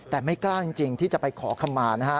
แต่ไม่กล้าจริงที่จะไปขอคำมานะฮะ